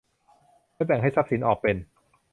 และให้แบ่งทรัพย์สินออกเป็น